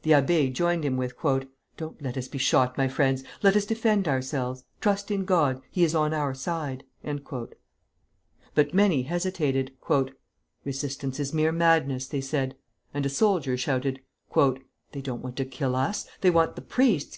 The abbé joined him with, "Don't let us be shot, my friends; let us defend ourselves. Trust in God; he is on our side!" But many hesitated. "Resistance is mere madness," they said; and a soldier shouted, "They don't want to kill us; they want the priests!